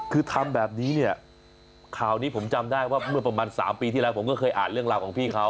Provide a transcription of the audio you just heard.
คือทำแบบนี้เนี่ยข่าวนี้ผมจำได้ว่าเมื่อประมาณ๓ปีที่แล้วผมก็เคยอ่านเรื่องราวของพี่เขา